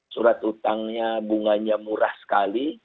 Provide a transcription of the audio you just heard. surat utangnya bunganya murah sekali